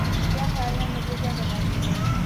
کیا خیال ہے مجھے کیا کرنا چاہئے